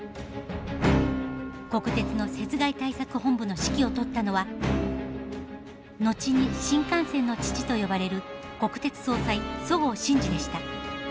国鉄の雪害対策本部の指揮を執ったのは後に新幹線の父と呼ばれる国鉄総裁十河信二でした。